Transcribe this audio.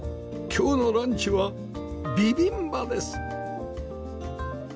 今日のランチはビビンバです